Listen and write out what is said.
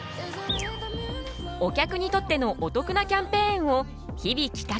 お客にとってのお得なキャンペーンを日々企画。